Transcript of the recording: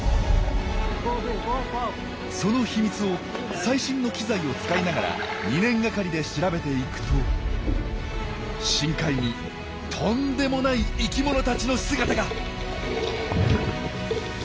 その秘密を最新の機材を使いながら２年がかりで調べていくと深海にとんでもない生きものたちの姿が！